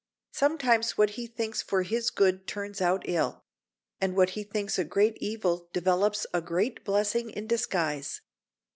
Sometimes what he thinks for his good turns out ill; and what he thinks a great evil develops a great blessing in disguise.